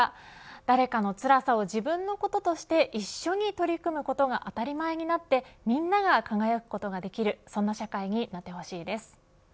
誰かのつらさを自分のこととして一緒に取り組むことが当たり前になってみんなが輝くことができるそんな社会になってほしいです。